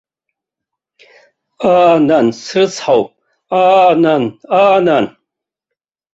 Аа, нан, срыцҳауп, аа, нан, аа, нан!